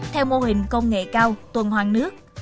theo mô hình công nghệ cao tuần hoàng nước